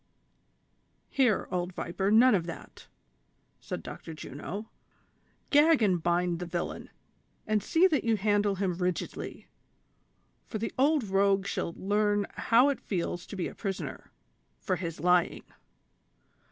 "Here, old viper, none of that," said Dr. Juno ; "gag and bind the villain, and see that you handle him rigidly, for the old rogue shall learn how it feels to be a prisoner, for his lying."